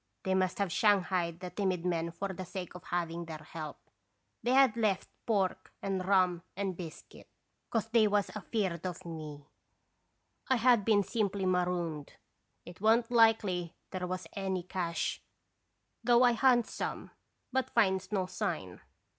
They must have shanghaied the timid men for the sake of having their help. They had left pork and rum and biscuit, 'cause they was 01 (B>raci0tts bisitation. 185 afeard of me. 1 had been simply marooned. It wa' n't likely there was any cache, though I hunts some, but finds no sign.